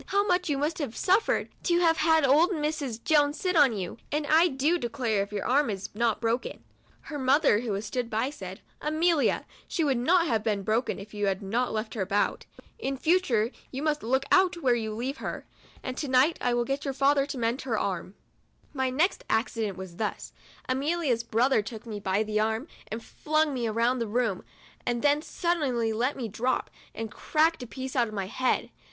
how much you must have suffered, to have had old Mrs. Jones sit on you, and I do declare if your arm is not broken !" Her mother who stood by, said, " Amelia, she would not have been broken if you had not left her about ; in future you must look out where you leave her ; and to night I will get your father to mend her arm." COUNTRY DOLL. 79 My next accident was thus: Amelia's brother took me by the arm and flung me round the room, and then suddenly let me drop, and cracked a piece out of my head.